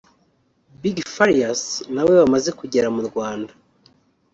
Big Farious na we wamaze kugera mu Rwanda